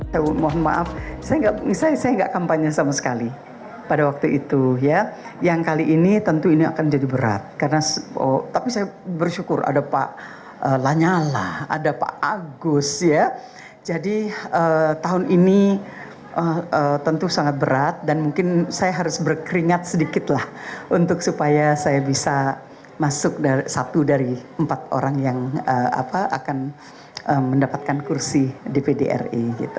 tahun ini tentu sangat berat dan mungkin saya harus berkeringat sedikit lah untuk supaya saya bisa masuk satu dari empat orang yang akan mendapatkan kursi dpd ri